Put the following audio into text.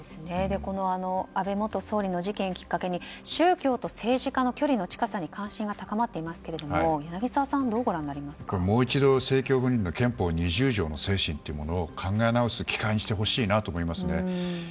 安倍元総理の事件をきっかけに宗教と政治家の距離の近さに関心が高まっていますがもう一度、政教分離の憲法２０条の精神というのを考え直す機会にしてほしいと思いますね。